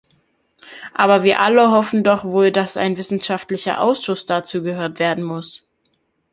Aber wir alle hoffen doch wohl, dass ein wissenschaftlicher Ausschuss dazu gehört werden muss.